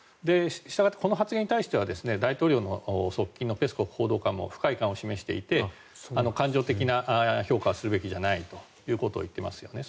したがってこの発言に対しては大統領の側近のペスコフ報道官も不快感を示していて感情的な評価はするべきじゃないということを言っていますよね。